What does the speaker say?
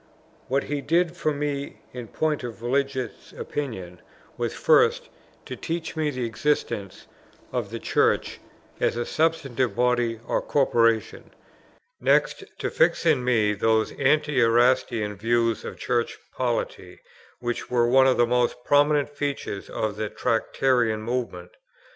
What he did for me in point of religious opinion, was, first, to teach me the existence of the Church, as a substantive body or corporation; next to fix in me those anti Erastian views of Church polity, which were one of the most prominent features of the Tractarian movement.